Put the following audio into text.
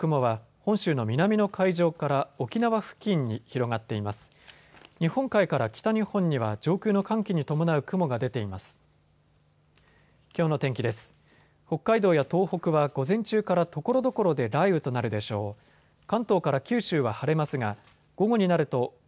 北海道や東北は午前中からところどころで雷雨となるでしょう。